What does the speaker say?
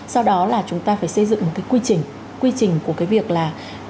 sau đó là chúng ta phải xây dựng một cái quy trình quy trình của cái việc là